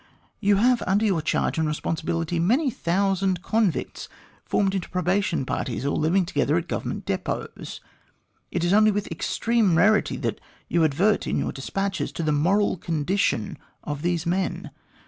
You have under your charge and responsibility many thousand convicts formed into probation parties, or living together at Government depots. It is only with extreme rarity that you advert in your despatches to the moral condition of these men.